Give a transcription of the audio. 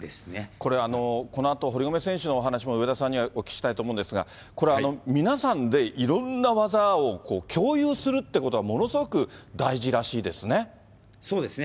これこのあと堀米選手のお話も、上田さんにはお聞きしたいと思うんですが、これ、皆さんでいろんな技を共有するってことが、そうですね。